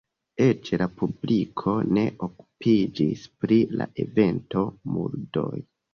Eĉ la publiko ne okupiĝis pri la evento, murdoj.